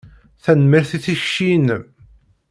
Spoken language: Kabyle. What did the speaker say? Tanemmirt i tikci-inem.